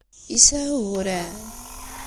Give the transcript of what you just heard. Yesɛa uguren?